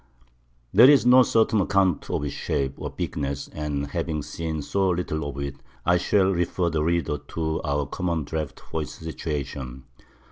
There is no certain Account of its Shape or Bigness, and having seen so little of it, I shall refer the Reader to our common Draughts for its Scituation.